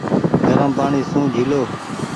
گرم پآڻيٚ سون جيهلو ۔